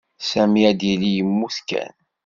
Sami ad yili yemmut kan.